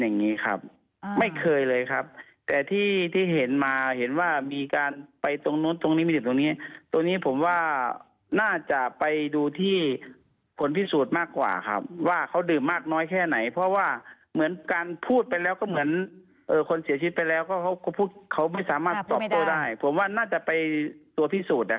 น้ำหวานเป็นเด็กดื่มเยอะไหมคุณพ่อ